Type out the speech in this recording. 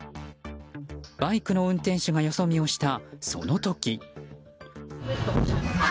バイクの運転手がよそ見をしたその時。